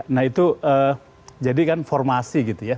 nah itu jadi kan formasi gitu ya